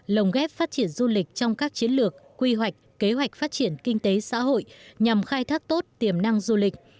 lồng ghép phát triển du lịch trong các chiến lược quy hoạch kế hoạch phát triển kinh tế xã hội nhằm khai thác tốt tiềm năng du lịch